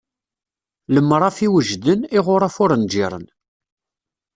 Lemrafi wejden, iɣuṛaf ur nǧiṛen!